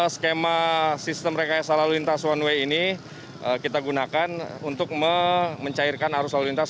skema sistem rekayasa lalu lintas one way ini kita gunakan untuk mencairkan arus lalu lintas